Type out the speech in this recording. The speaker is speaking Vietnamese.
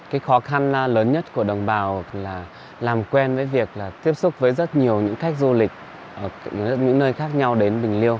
cái khó khăn lớn nhất của đồng bào là làm quen với việc là tiếp xúc với rất nhiều những khách du lịch ở những nơi khác nhau đến bình liêu